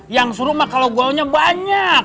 yang seru mah kalo goalnya banyak